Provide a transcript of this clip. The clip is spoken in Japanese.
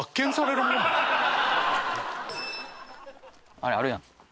あれあるやん。